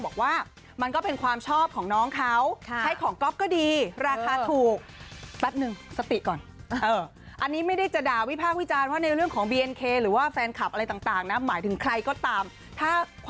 บอกว่ามันก็เป็นความชอบของน้องเค้าใช้ของก็ดีราคาถูก